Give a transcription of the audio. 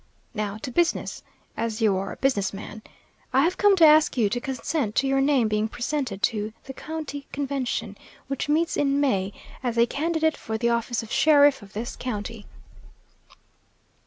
"Now to business, as you are a business man. I have come to ask you to consent to your name being presented to the county convention, which meets in May, as a candidate for the office of sheriff of this county."